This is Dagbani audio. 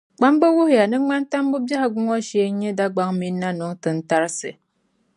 Kpamba wuhiya ni Ŋmantambo bɛhigu ŋɔ shee n-nyɛ Dagbɔŋ mini Nanuŋ tintarisi.